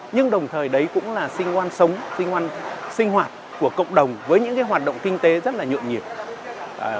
nhưng đồng thời đấy cũng là sinh hoạt của cộng đồng với những hoạt động kinh tế rất nhuộm nhiệt